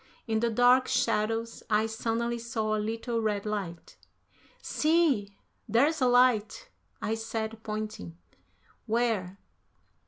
In the dark shadows I suddenly saw a little red light. "See, there's a light," I said, pointing. "Where?"